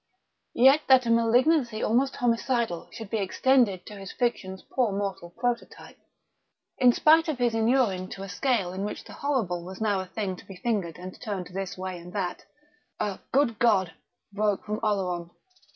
Yet that a malignancy almost homicidal should be extended to his fiction's poor mortal prototype.... In spite of his inuring to a scale in which the horrible was now a thing to be fingered and turned this way and that, a "Good God!" broke from Oleron.